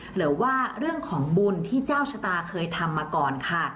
หรือว่าเรื่องของบุญที่เจ้าชะตาเคยทำมาก่อนค่ะ